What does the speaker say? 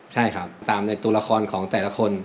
ใช่ครับตามในตัวละครของแต่ละคน